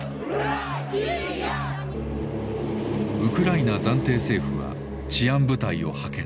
ウクライナ暫定政府は治安部隊を派遣。